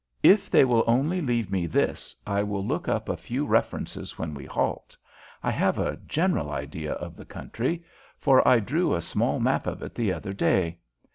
"If they will only leave me this, I will look up a few references when we halt. I have a general idea of the country, for I drew a small map of it the other day.